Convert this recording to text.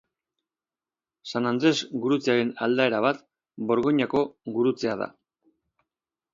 San Andres gurutzearen aldaera bat Borgoinako gurutzea da.